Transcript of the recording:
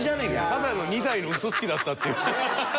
ただの二代のウソつきだったっていう。